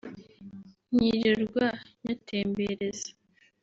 nkirirwa nyatembereza